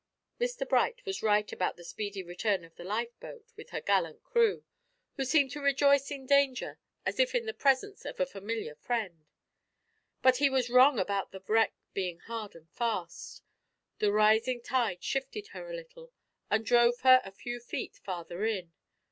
Mr Bright was right about the speedy return of the lifeboat with her gallant crew, who seemed to rejoice in danger as if in the presence of a familiar friend, but he was wrong about the wreck being hard and fast. The rising tide shifted her a little, and drove her a few feet farther in.